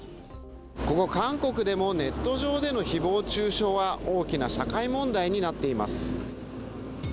ここ韓国でもネット上での誹謗中傷は大きな社会問題になっています。